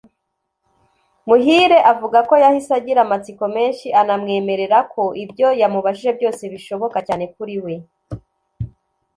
Muhire avuga ko yahise agira amatsiko menshi anamwemerera ko ibyo yamubajije byose bishoboka cyane kuri we